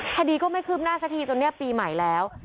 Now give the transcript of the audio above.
คดีก็ไม่คืบหน้าสักทีจนเนี่ยปีใหม่แล้ว